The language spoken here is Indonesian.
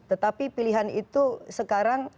tetapi pilihan itu sekarang